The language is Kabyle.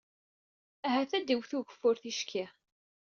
Ahat ad d-iwet ugeffur ticki.